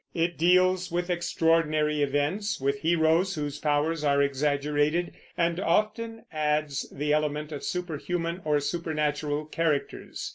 It deals with extraordinary events, with heroes whose powers are exaggerated, and often adds the element of superhuman or supernatural characters.